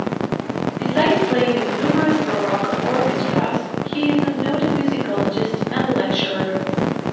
Besides playing in numerous baroque orchestras, he is a noted musicologist and lecturer.